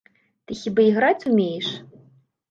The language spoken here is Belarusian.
Ты хіба іграць умееш?